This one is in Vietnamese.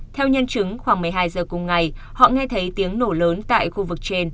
theo nhân chứng khoảng một mươi hai giờ cùng ngày họ nghe thấy tiếng nổ lớn tại khu vực trên